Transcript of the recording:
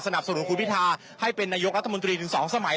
สนุนคุณพิทาให้เป็นนายกรัฐมนตรีถึง๒สมัย